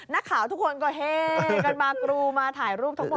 นักข่าวทุกคนก็เฮกันมากรูมาถ่ายรูปทั้งหมด